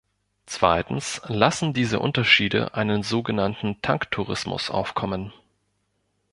Zweitens lassen diese Unterschiede einen so genannten "Tanktourismus" aufkommen.